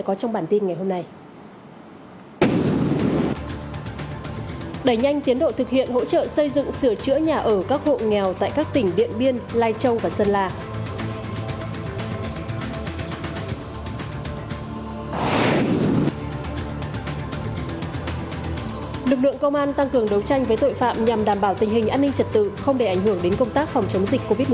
công an tăng cường đấu tranh với tội phạm nhằm đảm bảo tình hình an ninh trật tự không để ảnh hưởng đến công tác phòng chống dịch covid một mươi chín